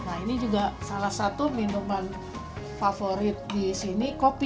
nah ini juga salah satu minuman favorit di sini kopi